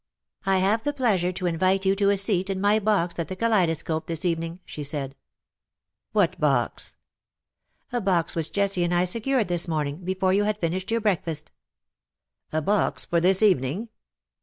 " I have the pleasure to invite you to a seat in CUPID AND rSYCHE. 211 my box at the Kaleidoscope this evening," she said. ''What box?" "A box which Jessie and I secured this morn ing, before you had finished your breakfast." " A box for this evening